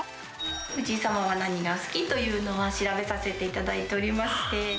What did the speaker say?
藤井様は何が好きというのは、調べさせていただいておりまして。